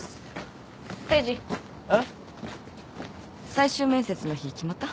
最終面接の日決まった？